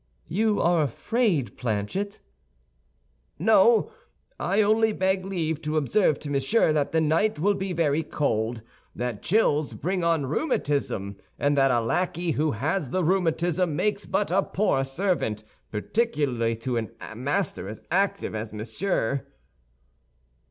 "You are afraid, Planchet?" "No; I only beg leave to observe to Monsieur that the night will be very cold, that chills bring on rheumatism, and that a lackey who has the rheumatism makes but a poor servant, particularly to a master as active as Monsieur."